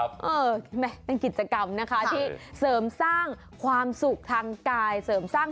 เพราะเห็นหน้าตาตัวเอง